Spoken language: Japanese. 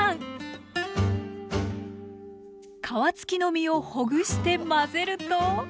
皮つきの身をほぐして混ぜると。